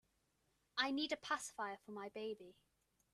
I need a pacifier for my baby.